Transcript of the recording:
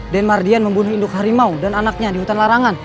denmardian membunuh induk harimau dan anaknya di hutan larangan